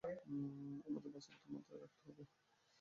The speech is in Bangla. আমাদের বাস্তবতা মাথায় রাখতে হবে।